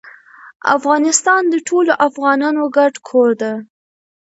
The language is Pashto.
افغانستان د ټولو افغانانو ګډ کور ده.